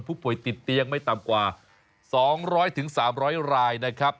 ผู้ป่วยติดเตียงไม่ต่ำกว่า๒๐๐๓๐๐รายนะครับ